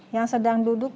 yang sedang duduk